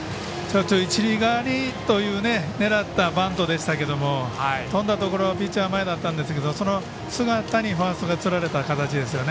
一塁側にと狙ったバントでしたけど飛んだところがピッチャー前だったんでその姿にファーストがつられた形ですね。